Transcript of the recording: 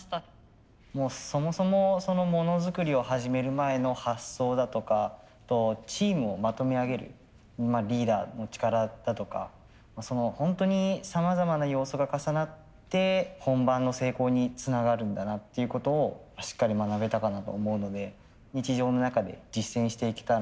そもそもそのモノづくりを始める前の発想だとかチームをまとめ上げるリーダーの力だとかホントにさまざまな要素が重なって本番の成功につながるんだなっていうことをしっかり学べたかなと思うので日常の中で実践していけたらなというふうに思います。